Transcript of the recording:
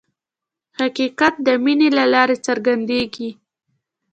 حقیقت د مینې له لارې څرګندېږي.